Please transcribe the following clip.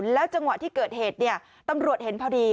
จังหวะที่เกิดเหตุตำรวจเห็นพอดี